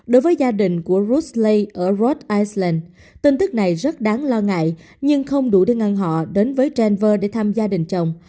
đối với gia đình của ruth slade ở rhode island tin tức này rất đáng lo ngại nhưng không đủ để ngăn họ đến với denver để tham gia đình chồng